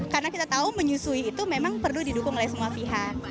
karena kita tahu menyusui itu memang perlu didukung oleh semua pihak